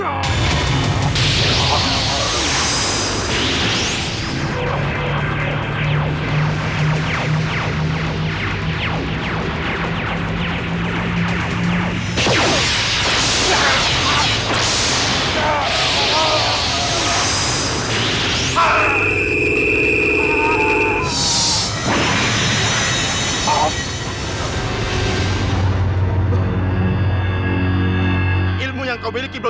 aku tidak pernah memilikinya